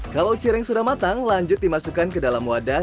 kalau cireng sudah matang lanjut dimasukkan ke dalam wadah